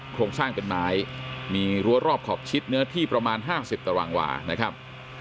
โครงสร้างเป็นไม้มีรั้วรอบขอบชิดเนื้อที่ประมาณ๕๐ตารางวานะครับ